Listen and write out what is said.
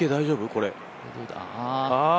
これ。